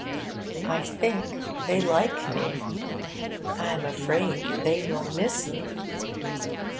I think they like me. I am afraid they will miss me.